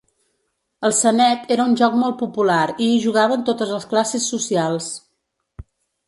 El Senet era un joc molt popular i hi jugaven totes les classes socials.